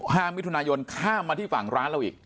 ห้ามิถุนายนข้ามมาที่ฝั่งร้านเราอีก